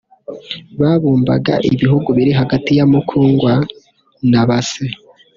Babumbaga ibihugu biri hagati ya Mukungwa na Base